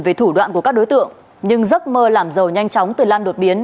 về thủ đoạn của các đối tượng nhưng giấc mơ làm giàu nhanh chóng từ lan đột biến